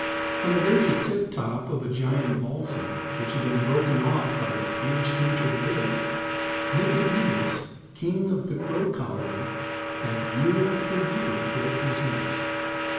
On the very tip top of a giant balsam, which had been broken off by the fierce winter gales, Nicodemus, king of the Crow Colony, had, year after year, built his nest.